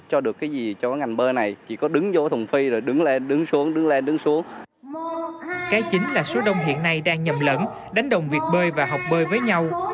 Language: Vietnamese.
cái chính là số đông hiện nay đang nhầm lẫn đánh đồng việc bơi và học bơi với nhau